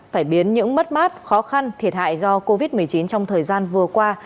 phải biến những mất mát khó khăn thiệt hại do covid một mươi chín trong thời gian vừa qua